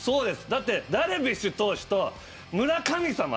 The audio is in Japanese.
だってダルビッシュ投手と村神様